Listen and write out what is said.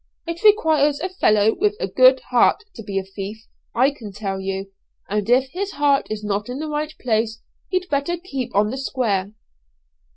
It requires a fellow with a good heart to be a thief, I can tell you; and if his heart is not in the right place, he'd better keep on the square."